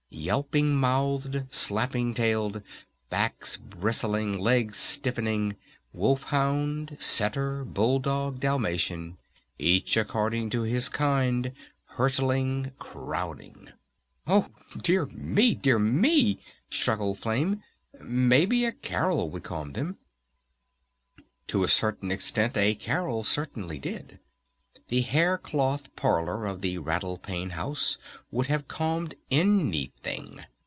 Yelping mouthed slapping tailed! Backs bristling! Legs stiffening! Wolf Hound, Setter, Bull Dog, Dalmatian, each according to his kind, hurtling, crowding! "Oh, dear me, dear me," struggled Flame. "Maybe a carol would calm them." To a certain extent a carol surely did. The hair cloth parlor of the Rattle Pane House would have calmed anything.